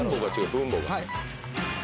分母が。